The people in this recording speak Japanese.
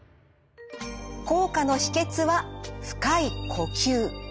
効果の秘けつは深い呼吸。